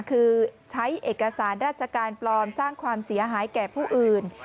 คือใช้เอกสารราชการปลอมสร้างความเสียหายแก่ผู้อื่น